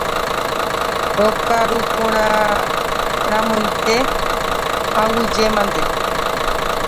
Rokaruparamoite, aguyjemante.